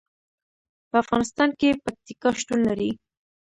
په افغانستان کې پکتیکا شتون لري.